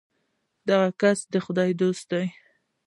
دغه کس د خدای دوست دی.